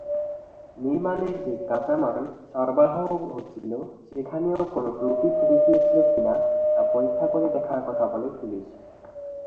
নির্মাণের যে কাঁচামাল সরবরাহ হচ্ছিল, সেখানেও কোনও ত্রুটি থেকে গিয়েছিল কিনা, তা পরীক্ষা করে দেখার কথা বলে পুলিশ।